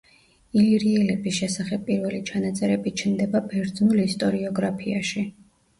ილირიელების შესახებ პირველი ჩანაწერები ჩნდება ბერძნულ ისტორიოგრაფიაში.